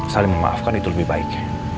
saling memaafkan itu lebih baik